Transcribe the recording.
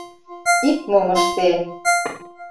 Ит мом ыште...